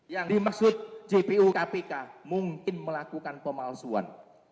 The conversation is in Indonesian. yang dimaksud jpu kpk mungkin melakukan pemalsuan